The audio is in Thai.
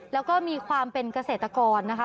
แล้วก็มีความเป็นเกษตรกรนะคะ